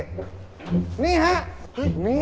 อันนี้เลยครับพี่